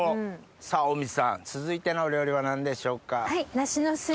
さぁ大道さん続いてのお料理は何でしょうか？